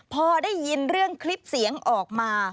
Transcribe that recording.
พอได้ยินเรื่องคลิปเสียงออกมา